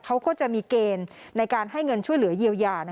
เขาก็จะมีเกณฑ์ในการให้เงินช่วยเหลือเยียวยา